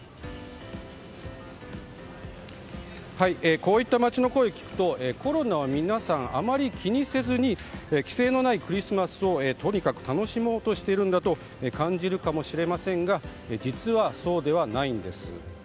こういった街の声を聞くとコロナは皆さんあまり気にせずに規制のないクリスマスをとにかく楽しもうとしているんだと感じるかもしれませんが実は、そうではないんです。